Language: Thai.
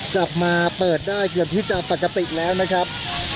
กลับมาเปิดได้เกือบที่จะปกติแล้วนะครับ